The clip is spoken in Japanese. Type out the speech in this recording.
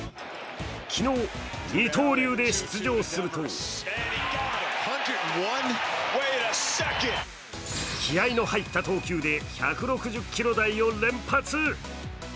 昨日、二刀流で出場すると気合いの入った投球で１６０キロ台を連発。